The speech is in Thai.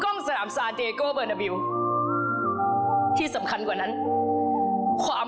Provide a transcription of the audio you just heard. ของท่านได้เสด็จเข้ามาอยู่ในความทรงจำของคน๖๗๐ล้านคนค่ะทุกท่าน